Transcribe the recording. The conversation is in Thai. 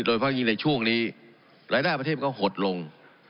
โดยเงียบในช่วงนี้รายภาษาประเทศก็หดลง